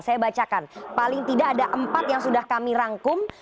saya bacakan paling tidak ada empat yang sudah kami rangkum